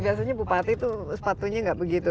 biasanya bupati itu sepatunya nggak begitu